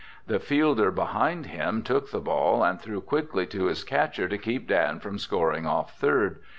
The fielder behind him took the ball and threw quickly to his catcher to keep Dan from scoring off third.